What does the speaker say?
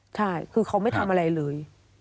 ใช่คือเขาไม่ทำอะไรเลย